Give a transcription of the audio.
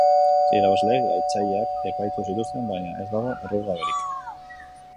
Irabazleek gaitzaileak epaitu zituzten, baina ez dago errugaberik.